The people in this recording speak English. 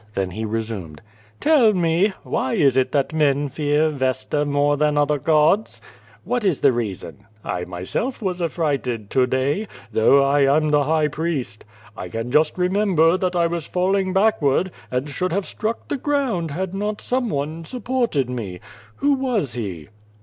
Then he resumed: "Tell mo, why is it that men fear Vesta more than other gods. What is the reason? I myself was affrighted to day, though I am the High Priest. I can just remember that I was falling back ward, and should have struck the ground had not some one supported me. Who was he?"